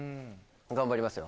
頑張りますよ。